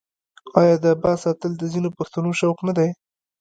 آیا د باز ساتل د ځینو پښتنو شوق نه دی؟